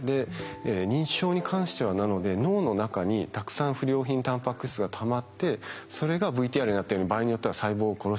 認知症に関してはなので脳の中にたくさん不良品タンパク質がたまってそれがＶＴＲにあったように場合によっては細胞を殺してしまう。